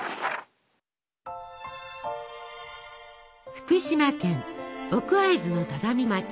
福島県奥会津の只見町。